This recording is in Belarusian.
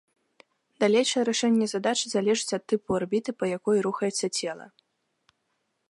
Далейшае рашэнне задачы залежыць ад тыпу арбіты, па якой рухаецца цела.